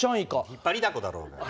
引っ張りだこだろお前。